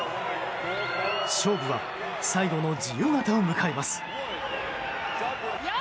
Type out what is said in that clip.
勝負は最後の自由形を迎えます。